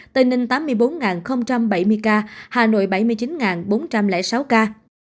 tp hcm năm trăm một mươi hai trăm linh hai ca hà nội bảy mươi chín bốn trăm linh sáu ca